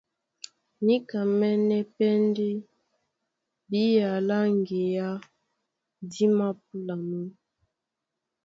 Níkamɛ́nɛ́ pɛ́ ndé bía lá ŋgeá dí māpúlanɔ́.